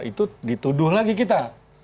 itu dituduh lagi kita